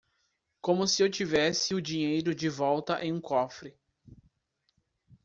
Como se eu tivesse o dinheiro de volta em um cofre.